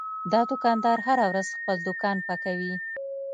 دا دوکاندار هره ورځ خپل دوکان پاکوي.